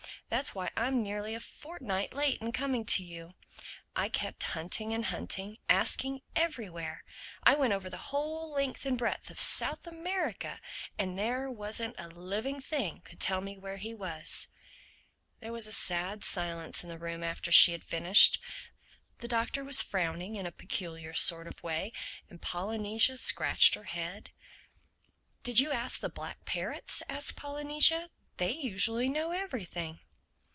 That's why I'm nearly a fortnight late in coming to you: I kept hunting and hunting, asking everywhere. I went over the whole length and breadth of South America. But there wasn't a living thing could tell me where he was." There was a sad silence in the room after she had finished; the Doctor was frowning in a peculiar sort of way and Polynesia scratched her head. "Did you ask the black parrots?" asked Polynesia. "They usually know everything."